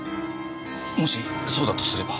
もしそうだとすれば。